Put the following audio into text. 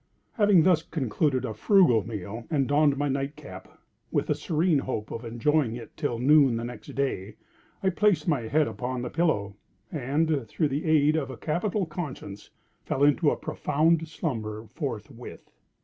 Having thus concluded a frugal meal, and donned my night cap, with the serene hope of enjoying it till noon the next day, I placed my head upon the pillow, and, through the aid of a capital conscience, fell into a profound slumber forthwith.